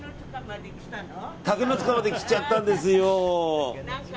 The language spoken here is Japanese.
竹の塚まで来ちゃったんですよ。